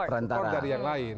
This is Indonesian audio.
support dari yang lain